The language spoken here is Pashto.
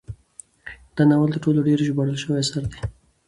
دا ناول تر ټولو ډیر ژباړل شوی اثر دی.